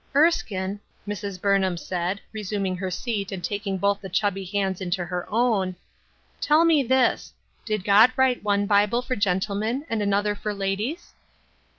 Erskine," Mrs. Burnham said, resuming her seat and taking both the chubby hands into her own, " tell me this : Did God write one Bible for gentlemen and another for ladies